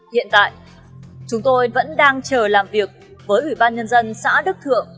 hiện tại chúng tôi vẫn đang chờ làm việc với ủy ban nhân dân xã đức thượng